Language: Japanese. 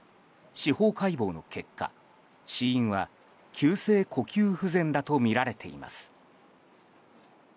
司法解剖の結果、死因は急性呼吸不全だとみられています。